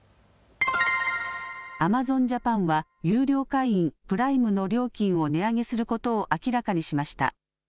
アマゾンジャパンは、有料会員プライムの料金を値上げすることを明らかにしました。